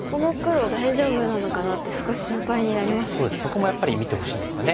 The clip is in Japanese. そこもやっぱり見てほしいんですよね。